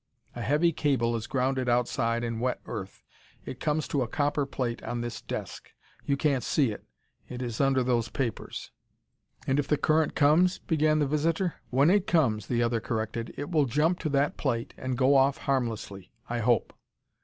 A heavy cable is grounded outside in wet earth. It comes to a copper plate on this desk; you can't see it it is under those papers." "And if the current comes " began the visitor. "When it comes," the other corrected, "it will jump to that plate and go off harmlessly I hope."